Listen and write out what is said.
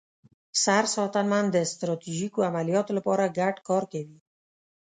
سرساتنمن د ستراتیژیکو عملیاتو لپاره ګډ کار کوي.